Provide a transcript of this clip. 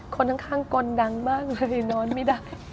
คนข้างกลดังมากเลยนอนไม่ได้